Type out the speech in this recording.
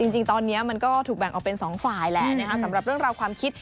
จริงตอนนี้มันก็ถูกแบ่งออกเป็น๒ฝ่ายแหละสำหรับเรื่องราวความคิด